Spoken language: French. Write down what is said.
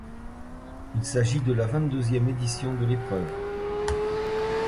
Il s'agit de la vingt-deuxième édition de l'épreuve.